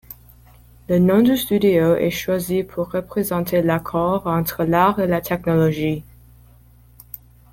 Le nom du studio est choisi pour représenter l'accord entre l'art et la technologie.